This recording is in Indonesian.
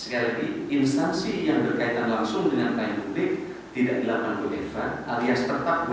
sekali lagi instansi yang berkaitan langsung dengan pelayanan publik tidak dilakukan wfi